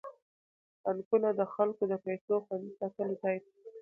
بانکونه د خلکو د پيسو خوندي ساتلو ځای دی.